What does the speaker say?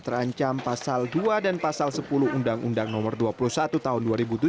terancam pasal dua dan pasal sepuluh undang undang nomor dua puluh satu tahun dua ribu tujuh